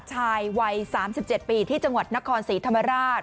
ชายวัย๓๗ปีที่จังหวัดนครศรีธรรมราช